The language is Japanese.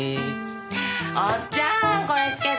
おっちゃんこれ着けて！